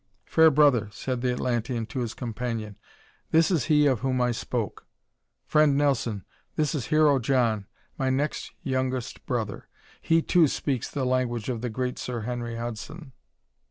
"Fair brother," said the Atlantean to his companion, "this is he of whom I spoke. Friend Nelson, this is Hero John, my next youngest brother he, too, speaks the language of the great Sir Henry Hudson."